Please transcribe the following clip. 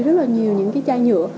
rất là nhiều những cái chai nhựa